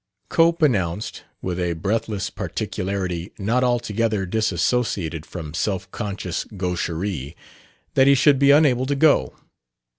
Cope announced, with a breathless particularity not altogether disassociated from self conscious gaucherie, that he should be unable to go.